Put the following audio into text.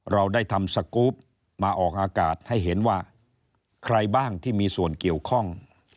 เราได้ทำสกรูปมาออกอากาศให้เห็นว่าใครบ้างที่มีส่วนเกี่ยวข้อง